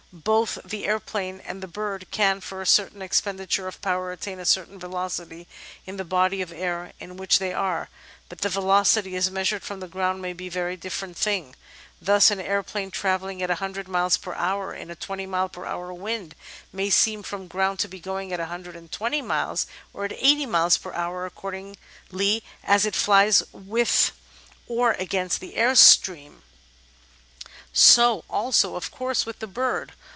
Both the aeroplane and the bird can, for a certain expenditure of power, attain a certain velocity in the body of air in which they are, but the velocity as measured from the ground may be a very different thing. Thus an aeroplane travelling at 100 miles per hour in a 20 miles per hour wind may seem from the ground to be going at 120 miles or at 80 miles per hour, accordingly as it flies with or against the air stream ; so also, of course, with the bird.